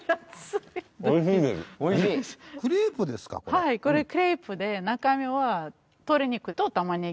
はいこれクレープで中身は鶏肉と玉ねぎ。